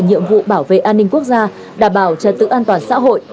nhiệm vụ bảo vệ an ninh quốc gia đảm bảo trật tự an toàn xã hội